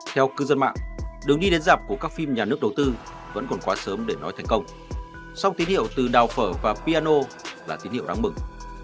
theo cư dân mạng đường đi đến dạp của các phim nhà nước đầu tư vẫn còn quá sớm để nói thành công song tín hiệu từ đào phở và piano là tín hiệu đáng mừng